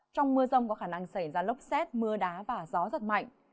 trong mưa rông có khả năng xảy ra lốc xét mưa đá và gió giật mạnh